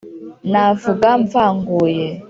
navuga mvanguye